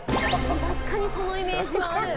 確かにそのイメージはある。